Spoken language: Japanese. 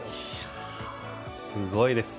すごいです。